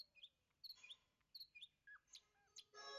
kuelewa kwamba wana takiwa waaa waandae miche naa